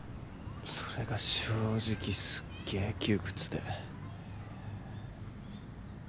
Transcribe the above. それが正直すっげえ窮屈で。